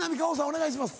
お願いします。